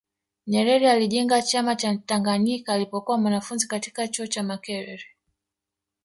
nyerere alijenga chama cha tanganyika alipokuwa mwanafunzi katika chuo cha makerere